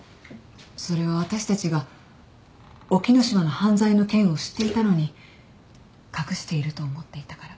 それは私たちが沖野島の犯罪の件を知っていたのに隠していると思っていたから。